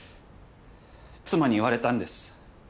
妻に言われたんです。